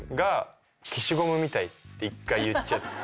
１回言っちゃって。